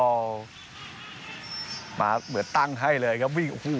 โอ้นะครับ